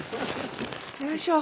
よいしょ。